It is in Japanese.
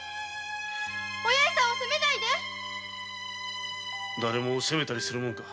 お八重さんを責めないでだれも責めたりするものか。